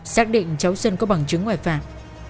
xác định cháu sơn có bằng chứng ngoại phạm